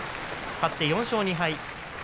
勝って４勝２敗。